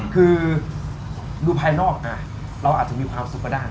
คือดูภายนอกเราอาจจะมีความสุขก็ได้